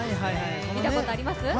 見たことあります？